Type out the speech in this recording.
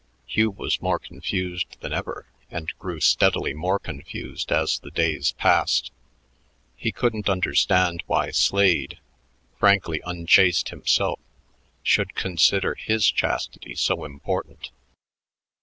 Hugh was more confused than ever and grew steadily more confused as the days passed. He couldn't understand why Slade, frankly unchaste himself, should consider his chastity so important.